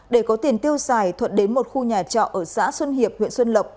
để có tiền tiêu xài thuận đến một khu nhà trọ ở xã xuân hiệp huyện xuân lộc